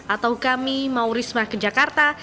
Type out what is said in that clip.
atau kami mau risma ke jakarta